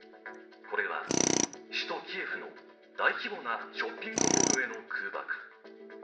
これは首都キエフの大規模なショッピングモールへの空爆。